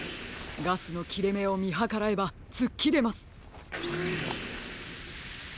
ガスのきれめをみはからえばつっきれます。